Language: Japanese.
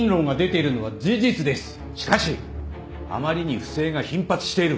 しかしあまりに不正が頻発している。